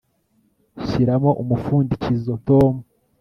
Shyiramo umupfundikizo Tom